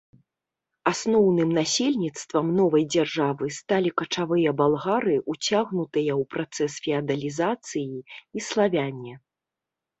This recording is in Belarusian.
Асноўным насельніцтвам новай дзяржавы сталі качавыя балгары, уцягнутыя ў працэс феадалізацыі, і славяне.